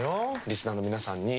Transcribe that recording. リスナーの皆さんに。